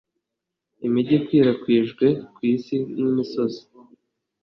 Imijyi ikwirakwijwe kwisi nkimisozi